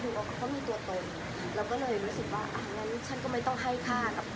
หรือถ้าสมมติคอมเม้นต์ไหนหรือใครที่มาติดตาม